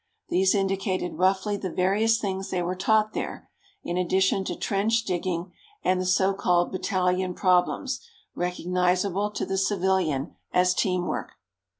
These indicated roughly the various things they were taught there, in addition to trench digging and the so called battalion problems, recognizable to the civilian as team work.